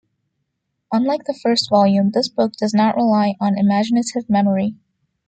Unlike the first volume, this book does not rely on "imaginative memory".